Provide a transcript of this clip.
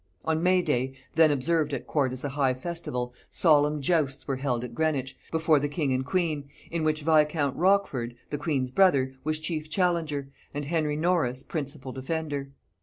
On May day, then observed at court as a high festival, solemn justs were held at Greenwich, before the king and queen, in which viscount Rochford, the queen's brother, was chief challenger, and Henry Norris principal defender.